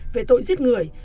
về tội giết người